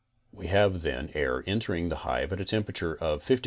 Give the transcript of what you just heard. We have then air entering the hive at a temperature of 50'F.